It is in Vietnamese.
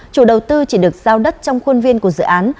chủ đầu tư chỉ được giao đất trong khuôn viên của dự án